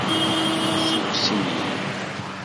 Ssukkes-iyi-d.